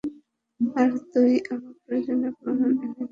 আর তুই আমার প্রয়োজনীয় প্রমাণ এনে দিবি।